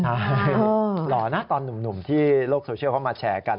ใช่หล่อนะตอนหนุ่มที่โลกโซเชียลเขามาแชร์กัน